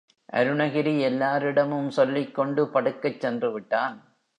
அருணகிரி எல்லாரிடமும் சொல்லிக் கொண்டு படுக்கச் சென்று விட்டான்.